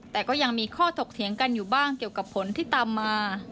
แต่ก็ยังมีข้อถกเถียงกันอยู่บ้างเกี่ยวกับผลที่ตามมา